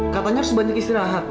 katanya harus banyak istirahat